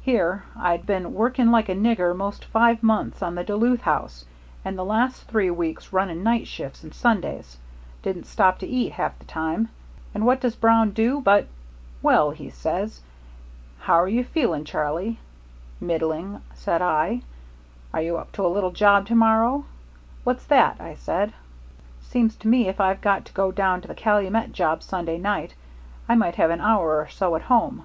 Here I'd been working like a nigger 'most five months on the Duluth house and the last three weeks running night shifts and Sundays; didn't stop to eat, half the time and what does Brown do but 'Well,' he says, 'how're you feeling, Charlie?' 'Middling,' said I. 'Are you up to a little job to morrow?' 'What's that?' I said. 'Seems to me if I've got to go down to the Calumet job Sunday night I might have an hour or so at home.'